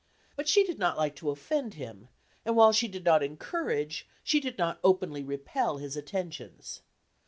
But she did not like to offend him, and while she did not encourage, she did not openly repel his attentions.